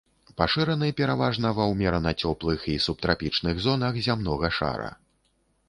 Пашыраны пераважна ва ўмерана цёплых і субтрапічных зонах зямнога шара.